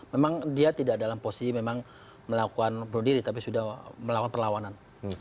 memang dia tidak dalam posisi memang melakukan bunuh diri tapi sudah melakukan perlawanan